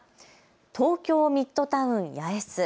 東京ミッドタウン八重洲。